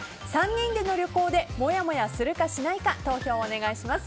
３人での旅行でもやもやするかしないか投票をお願いします。